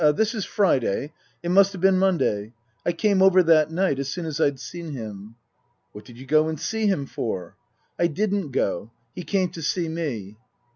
This is Friday. It must have been Monday. I came over that night, as soon as I'd seen him." %" What did you go and see him for ?"" I didn't go. He came to see me."